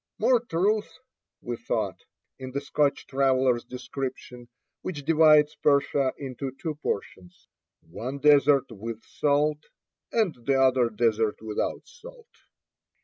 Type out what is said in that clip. More truth, we thought, in the Scotch traveler' s description, which divides Persia into two portions — "One desert with salt, and the other desert without salt."